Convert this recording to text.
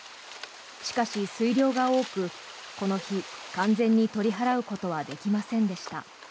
しかし、水量が多くこの日、完全に取り払うことはできませんでした。